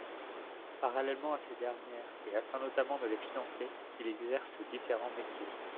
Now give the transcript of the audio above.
Parallèlement à ces dernières et afin notamment de les financer, il exerce différents métiers.